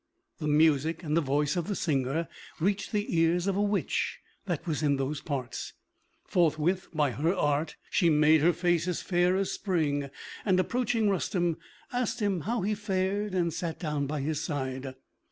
The music and the voice of the singer reached the ears of a witch that was in those parts. Forthwith, by her art, she made her face as fair as spring, and, approaching Rustem, asked him how he fared, and sat down by his side.